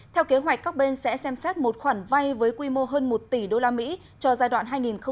theo kế hoạch các bên sẽ xem xét một khoản vay với quy mô hơn một tỷ usd cho giai đoạn hai nghìn hai mươi một hai nghìn hai mươi